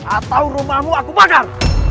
atau rumahmu aku bakar